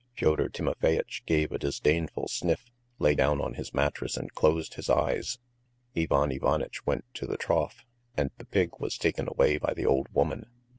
Fyodor Timofeyitch gave a disdainful sniff, lay down on his mattress, and closed his eyes; Ivan Ivanitch went to the trough, and the pig was taken away by the old woman.